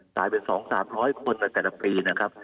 กลายเป็น๒๓๐๐คนในแต่ละปีนะครับ